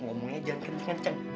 ngomongnya jangan kenceng kenceng